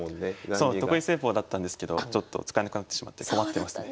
そう得意戦法だったんですけどちょっと使えなくなってしまって困ってますね。